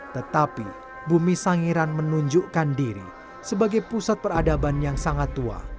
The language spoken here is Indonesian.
tetapi bumi sangiran menunjukkan diri sebagai pusat peradaban yang sangat tua